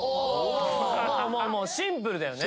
もうもうもうシンプルだよね